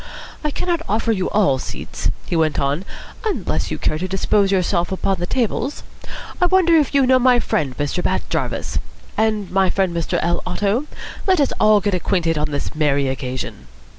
"I cannot offer you all seats," he went on, "unless you care to dispose yourselves upon the tables. I wonder if you know my friend, Mr. Bat Jarvis? And my friend, Mr. L. Otto? Let us all get acquainted on this merry occasion."